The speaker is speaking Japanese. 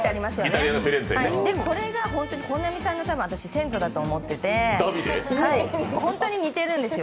でもこれが本並さんの先祖だと思っていてホントに似てるんですよ。